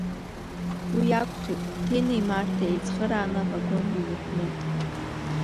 Уи акәхеит Ҭинеи Марҭеи еицхырааны авагон иҩыхәнеит.